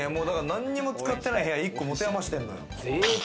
何も使ってない部屋、１個持て余してる。